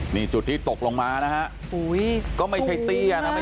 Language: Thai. นี่จุดที่ตกลงมานะฮะก็ไม่ใช่เตี้ยนะ